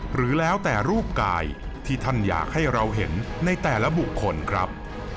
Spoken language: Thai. หรือแล้วแต่รูปกายที่ท่านอยากให้เราเห็นในแต่ละบุคคลครับ